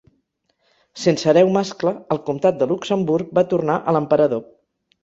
Sense hereu mascle, el comtat de Luxemburg va tornar a l'emperador.